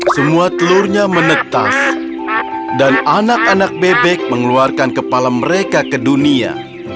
semua telurnya menetas dan anak anak bebek mengeluarkan kepala mereka ke dunia